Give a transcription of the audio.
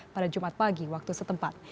pada jumat pagi waktu setempat